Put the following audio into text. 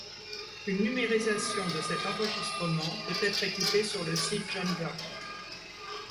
Une numérisation de cet enregistrement peut être écoutée sur le site de John Berky.